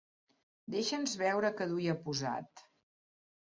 Deixa'ns veure que duia posat.